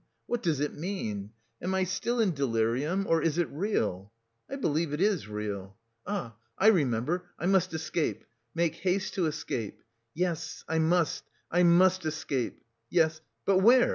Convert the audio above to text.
"What does it mean? Am I still in delirium, or is it real? I believe it is real.... Ah, I remember; I must escape! Make haste to escape. Yes, I must, I must escape! Yes... but where?